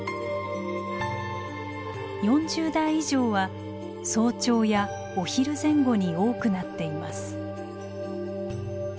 ４０代以上は早朝やお昼前後に多くなっています。